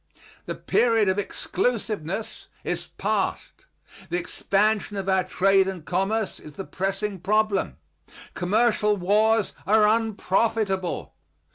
The period of exclusiveness is past. The expansion of our trade and commerce is the pressing problem. Commercial wars are unprofitable.